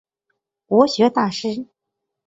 国学大师。